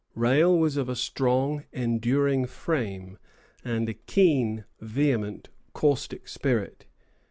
Rale was of a strong, enduring frame, and a keen, vehement, caustic spirit.